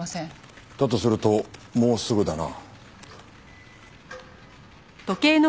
だとするともうすぐだな。